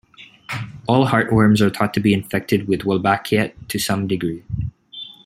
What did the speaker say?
All heartworms are thought to be infected with "Wolbachia" to some degree.